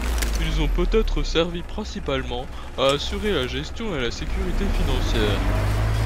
Ils ont peut-être servi principalement à assurer la gestion et la sécurité financière.